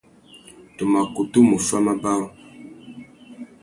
Tu mà kutu mù fá mabarú.